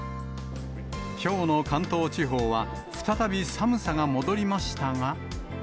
きょうの関東地方は、再び寒さが戻りましたが。